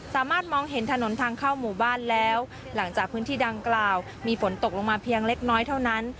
สามารถมองเห็นถนนทางเข้าหมู่บ้านแล้วหลังจากพื้นที่ดังกล่าวมีฝนตกลงมาเพียงเล็กน้อยเท่านั้น